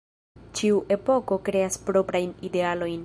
Ĉiu epoko kreas proprajn idealojn.